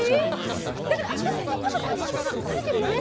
だから、全然パパ、大丈夫大丈夫疲れてるよね？